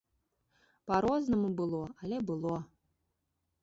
Па-рознаму было, але было.